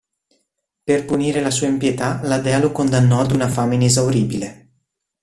Per punire la sua empietà la dea lo condannò ad una fame inesauribile.